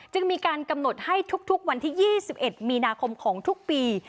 มีการกำหนดให้ทุกวันที่๒๑มีนาคมของทุกปี